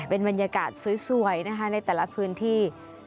เป็นบรรยากาศสวยนะคะในแต่ละพื้นที่